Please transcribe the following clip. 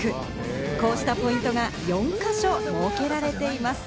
こうしたポイントが４か所設けられています。